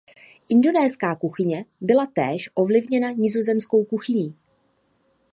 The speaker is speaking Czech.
Indonéská kuchyně byla též ovlivněna nizozemskou kuchyní.